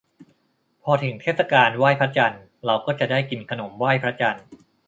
พอถึงเทศกาลไหว้พระจันทร์ เราก็จะได้กินขนมไหว้พระจันทร์